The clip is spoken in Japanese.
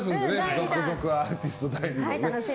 続々アーティストをね。